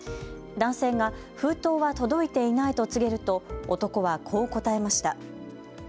男性が封筒は届いていないと告げると男は、こう答えました。